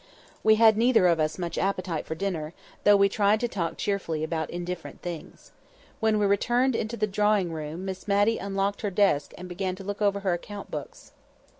We had neither of us much appetite for dinner, though we tried to talk cheerfully about indifferent things. When we returned into the drawing room, Miss Matty unlocked her desk and began to look over her account books.